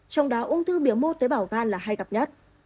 trong đó ung thư biểu mô tế bào gan là hay gặp nhất